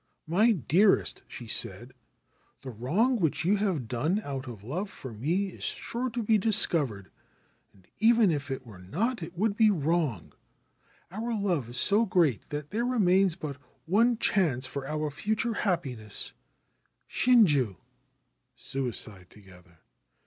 c " My dearest," she said, " the wrong which you have done out of love for me is sure to be discovered, and even were it not it would be wrong. Our love is so great that there remains but one chance for our future happiness — shinju (suicide together).